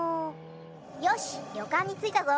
よしりょかんについたぞ。